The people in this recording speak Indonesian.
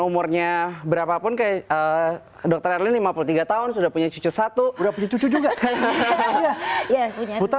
umurnya berapapun ke dokter lima puluh tiga tahun sudah punya cucu satu berarti cucu juga ya punya